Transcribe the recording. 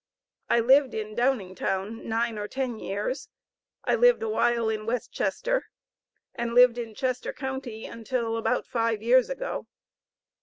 I lived in Downingtown nine or ten years. I lived awhile in West Chester, and lived in Chester county until about five years ago.